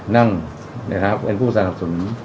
นั่งเป็นผู้สนับสนุน